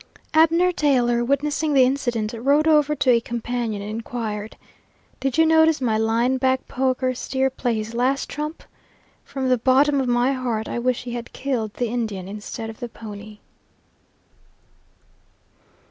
Abner Taylor, witnessing the incident, rode over to a companion and inquired: "Did you notice my line back poker steer play his last trump? From the bottom of my heart I wish he had killed the Indian instead of the pony."